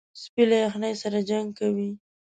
سپي له یخنۍ سره جنګ کوي.